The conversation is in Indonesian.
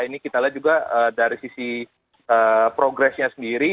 ini kita lihat juga dari sisi progresnya sendiri